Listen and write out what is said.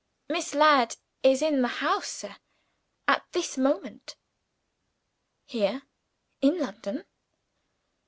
"Miss Ladd is in the house, sir, at this moment." "Here, in London!"